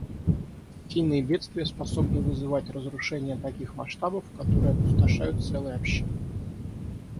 Стихийные бедствия способны вызывать разрушения таких масштабов, которые опустошают целые общины.